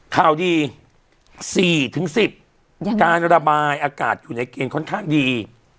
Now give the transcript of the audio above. ข่าวดี๔๑๐การระบายอากาศอยู่ในเกณฑ์ค่อนข้างดี